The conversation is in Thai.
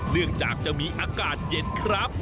เนื่องจากจะมีอากาศเย็นครับ